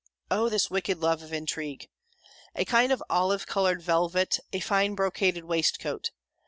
O this wicked love of intrigue! A kind of olive coloured velvet, and fine brocaded waistcoat.